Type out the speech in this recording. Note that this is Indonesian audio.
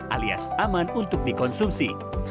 alias aman untuk dikonsumsi